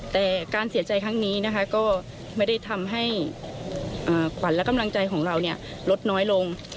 แต่การเสียใจครั้งนี้นะคะก็ไม่ได้ทำให้ขวัญและกำลังใจของเราลดน้อยลง